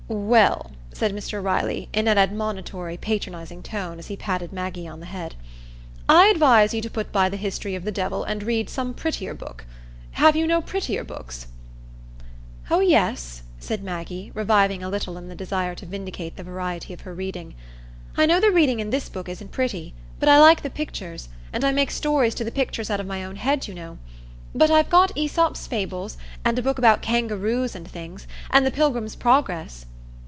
"Well," said Mr Riley, in an admonitory, patronizing tone as he patted Maggie on the head, "I advise you to put by the 'History of the Devil,' and read some prettier book. Have you no prettier books?" "Oh, yes," said Maggie, reviving a little in the desire to vindicate the variety of her reading. "I know the reading in this book isn't pretty; but I like the pictures, and I make stories to the pictures out of my own head, you know. But I've got 'Æsop's Fables,' and a book about Kangaroos and things, and the 'Pilgrim's Progress....